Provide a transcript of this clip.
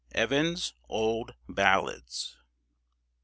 EVANS' OLD BALLADS.